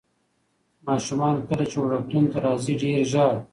ماشومان کله چې وړکتون ته راځي ډېر ژاړي.